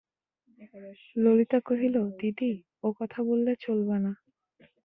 ললিতা কহিল, দিদি, ও কথা বললে চলবে না।